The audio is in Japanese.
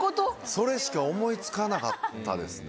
それしか思い付かなかったですね。